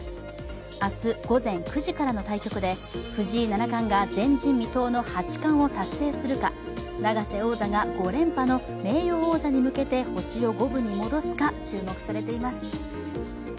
明日午前９時からの対局で藤井七冠が前人未到の八冠を達成するか永瀬王座が５連覇の名誉王座に向けて星を五分に戻すか、注目されています。